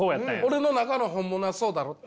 俺の中の本物はそうだろって。